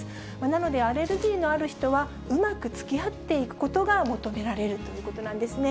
なので、アレルギーのある人は、うまくつきあっていくことが求められるということなんですね。